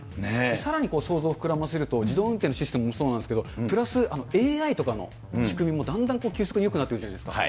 さらに想像を膨らませると、自動運転のシステムもそうなんですけど、プラスＡＩとかの仕組みもだんだん急速によくなってるじゃないですか。